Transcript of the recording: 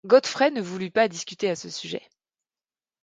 Godfrey ne voulut pas discuter à ce sujet.